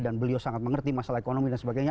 dan beliau sangat mengerti masalah ekonomi dan sebagainya